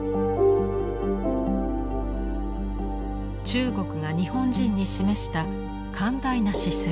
中国が日本人に示した寛大な姿勢。